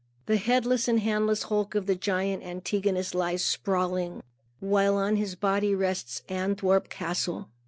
The headless and handless hulk of the giant Antigonus lies sprawling, while on his body rests Antwerp castle.